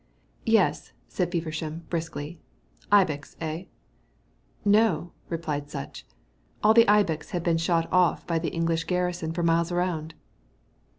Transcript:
"Yes," said Feversham, briskly; "ibex, eh?" "No," replied Sutch. "All the ibex had been shot off by the English garrison for miles round."